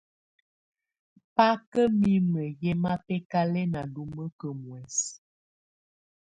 Bà kà mimǝ́ yɛ̀ mabɛ̀kalɛna lumǝkǝ muɛ̀sɛ.